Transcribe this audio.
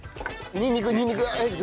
にんにくにんにく英二君。